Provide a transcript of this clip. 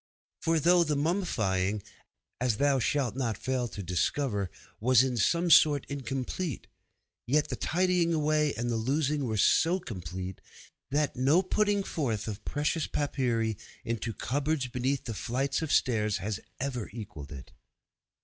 For though the mummifying, as thou shalt not fail to discover, was in some sort incomplete, yet the tidying away and the losing were so complete that no putting forth of precious papyri into cupboards beneath flights of stairs has ever equalled it.